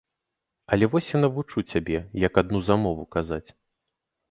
Але вось я навучу цябе, як адну замову казаць.